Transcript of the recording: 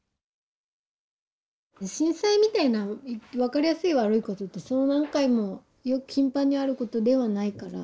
震災みたいな分かりやすい悪いことってそう何回も頻繁にあることではないから。